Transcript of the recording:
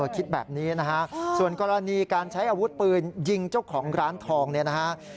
คิดแบบนี้นะฮะส่วนกรณีการใช้อาวุธปืนยิงเจ้าของร้านทองเนี่ยนะฮะ